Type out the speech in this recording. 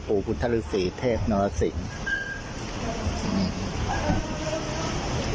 พ่อปู่ฤาษีเทพนรสิงค่ะมีเฮ็ดโฟนเหมือนเฮ็ดโฟน